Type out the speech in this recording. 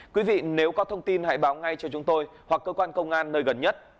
quý vị nếu có thông tin hãy báo ngay cho chúng tôi hoặc cơ quan công an nơi gần nhất